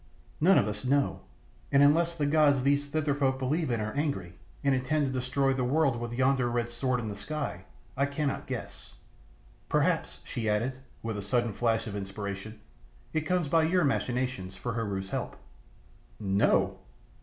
"None of us know, and unless the gods these Thither folk believe in are angry, and intend to destroy the world with yonder red sword in the sky, I cannot guess. Perhaps," she added, with a sudden flash of inspiration, "it comes by your machinations for Heru's help." "No!"